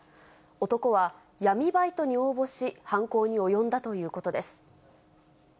男は闇バイトに応募し、犯行に及んだということです。